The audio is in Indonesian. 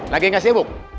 lagi nggak sibuk